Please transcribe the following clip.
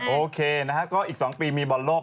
โอเคนะฮะก็อีก๒ปีมีบอลโลก